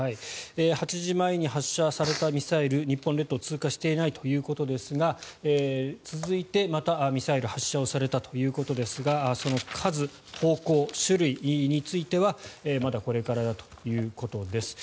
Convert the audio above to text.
８時前に発射されたミサイル日本列島を通過していないということですが続いて、またミサイルが発射されたということですがその数、方向、種類についてはまだこれからだということです。